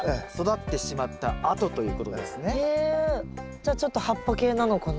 じゃあちょっと葉っぱ系なのかな。